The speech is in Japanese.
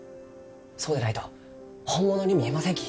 そうでないと本物に見えませんき。